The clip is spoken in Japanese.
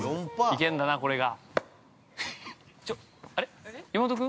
◆行けんだな、これが。